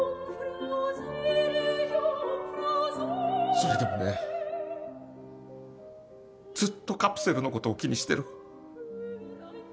それでもねずっとカプセルのことを気にしてる。